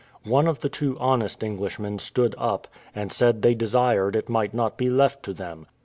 One of the two honest Englishmen stood up, and said they desired it might not be left to them.